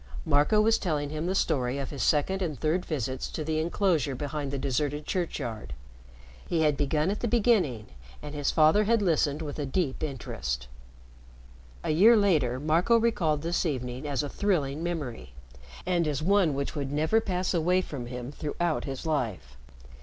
Marco was telling him the story of his second and third visits to the inclosure behind the deserted church yard. He had begun at the beginning, and his father had listened with a deep interest. A year later, Marco recalled this evening as a thrilling memory, and as one which would never pass away from him throughout his life.